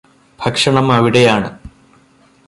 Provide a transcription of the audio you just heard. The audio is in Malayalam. ഭക്ഷണം അവിടെയാണ്